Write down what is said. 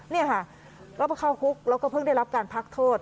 นี่ค่ะแล้วก็เข้าคุกแล้วก็เพิ่งได้รับการพักโทษ